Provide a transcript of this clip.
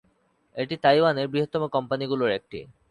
এটি তাইওয়ানের বৃহত্তম কোম্পানিগুলির একটি।